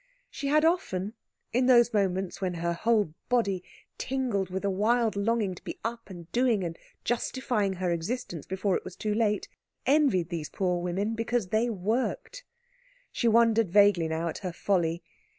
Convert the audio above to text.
She had often, in those moments when her whole body tingled with a wild longing to be up and doing and justifying her existence before it was too late, envied these poor women, because they worked. She wondered vaguely now at her folly.